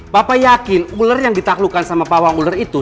papa yakin ular yang ditaklukkan sama pawang ular itu